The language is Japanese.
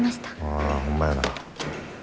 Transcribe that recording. ああホンマやな。